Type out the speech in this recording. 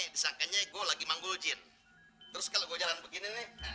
disangkanya gua lagi manggul jin terus kalau gua jalan begini